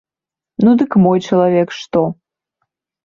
Ну дык мой чалавек што?